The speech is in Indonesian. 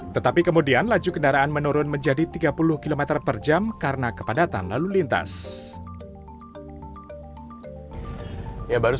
tetapi kemudian laju kendaraan menurun menjadi tiga puluh km per jam karena kepadatan lalu lintas